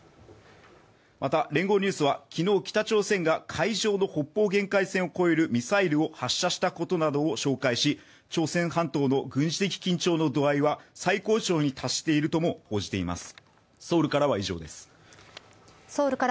また、聯合ニュースは昨日北朝鮮が海上の北方限界線を越えるミサイルを発射したことなどを紹介し朝鮮半島の軍事的緊張の度合いは最高潮に達しているとも報じています。